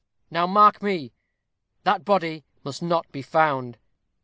Now, mark me. THAT BODY MUST NOT BE FOUND!